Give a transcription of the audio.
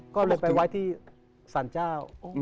ก็เลยไปไว้ที่สรรเจ้า